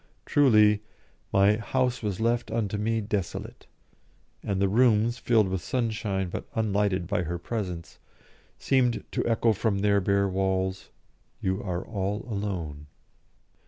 Truly, my "house was left unto me desolate," and the rooms, filled with sunshine but unlighted by her presence, seemed to echo from their bare walls, "You are all alone."